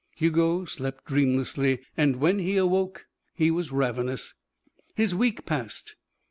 Hugo slept dreamlessly, and when he woke, he was ravenous. His week passed.